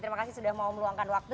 terima kasih sudah mau meluangkan waktu